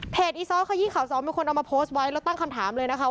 อีซ้อขยี้ข่าวสองมีคนเอามาโพสต์ไว้แล้วตั้งคำถามเลยนะคะ